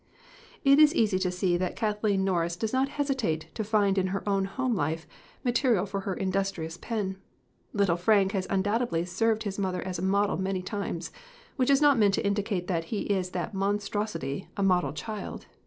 It is easy to see that Kathleen Norris does not hesitate to find in her own home life material for her industrious pen. Little Frank has undoubt edly served his mother as a model many times which is not meant to indicate that he is that monstrosity, a model child.